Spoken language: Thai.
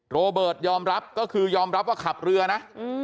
โรเบิร์ตยอมรับก็คือยอมรับว่าขับเรือนะ